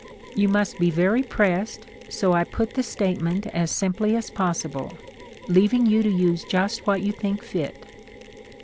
You must be very pressed, so I put the statement as simply as possible, leaving you to use just what you think fit.